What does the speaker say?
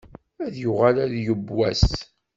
Ad yuɣal ad yeww wass.